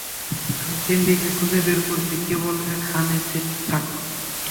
আমি সিন্ডি কে খুঁজে বের করছি, কেবল এখানে থাকো।